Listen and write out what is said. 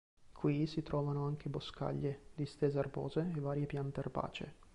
Qui si trovano anche boscaglie, distese erbose e varie piante erbacee.